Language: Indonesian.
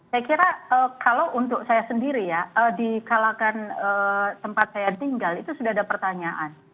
saya kira kalau untuk saya sendiri ya di kalakan tempat saya tinggal itu sudah ada pertanyaan